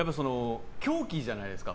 凶器じゃないですか。